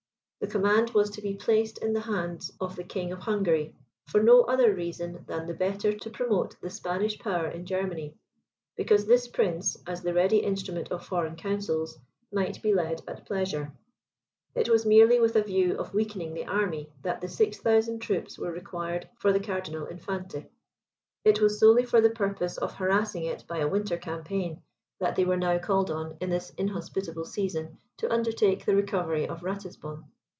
The command was to be placed in the hands of the King of Hungary, for no other reason than the better to promote the Spanish power in Germany; because this prince, as the ready instrument of foreign counsels, might be led at pleasure. It was merely with the view of weakening the army, that the six thousand troops were required for the Cardinal Infante; it was solely for the purpose of harassing it by a winter campaign, that they were now called on, in this inhospitable season, to undertake the recovery of Ratisbon.